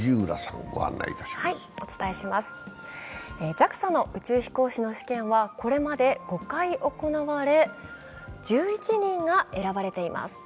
ＪＡＸＡの宇宙飛行士の試験はこれまで５回行われ１１人が選ばれています。